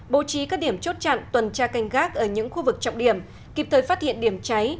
bố trí các điểm chốt chặn tuần tra canh gác ở những khu vực trọng điểm kịp thời phát hiện điểm cháy